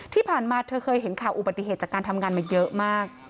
ที่ผ่านมาเธอเคยเห็นข่าวอุบัติเหตุจากการทำงานมาเยอะมาก